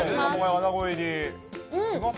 穴子入り。